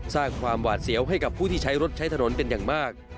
สร้างความหวาดเสียวให้กับผู้ที่ใช้รถใช้ถนนเป็นอย่างมาก